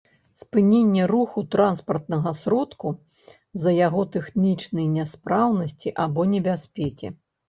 спыненне руху транспартнага сродку з-за яго тэхнічнай няспраўнасці або небяспекі